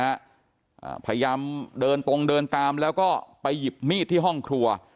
อ่าพยายามเดินตรงเดินตามแล้วก็ไปหยิบมีดที่ห้องครัว